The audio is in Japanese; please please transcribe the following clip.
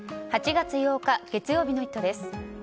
８月８日、月曜日の「イット！」です。